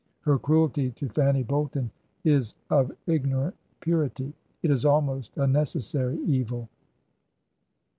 Her cruelty to Fanny Bolton is of ignorant purity; it is almost a necessary evil.